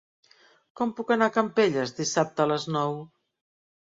Com puc anar a Campelles dissabte a les nou?